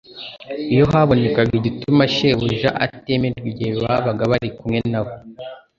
Iyo habonekaga igituma Shebuja atemerwa igihe babaga bari kumwe na we,